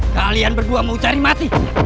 kalian berdua yours